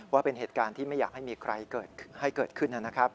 ว่าเป็นเหตุการณ์ที่ไม่อยากให้มีใครให้เกิดขึ้นนะครับ